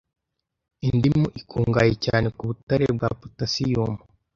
Indimu ikungahaye cyane ku butare bwa potassium